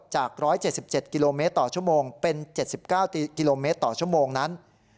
จาก๑๗๗กิโลเมตรต่อชั่วโมงเป็น๗๙กิโลเมตรต่อชั่วโมงนั้น